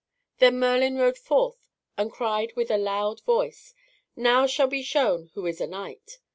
Then Merlin rode forth and cried with a loud voice, "Now shall be shown who is a knight."